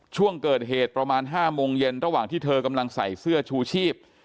ช่วงเกิดเหตุประมาณ๕โมงเย็นระหว่างที่เธอกำลังใส่เสื้อชูชีพ